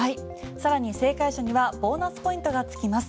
さらに正解者にはボーナスポイントがつきます。